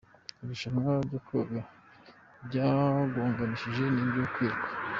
Irushanwa ryo koga ryagonganishijwe niryo kwiruka